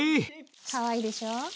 かわいいでしょ。